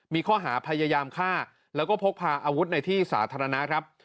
มีข้อหาพยายามฆ่าแล้วก็พกพาอาวุธในที่สาธารณะครับ